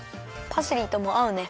パセリともあうね。